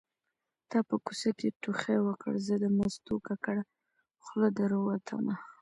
تا په کوڅه کې ټوخی وکړ زه د مستو ککړه خوله در ووتمه